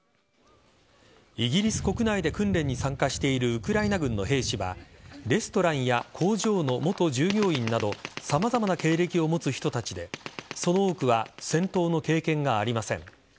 イギリス国内で訓練に参加しているウクライナ軍の兵士はレストランや工場の元従業員など様々な経歴を持つ人たちでその多くは戦闘の経験がありません。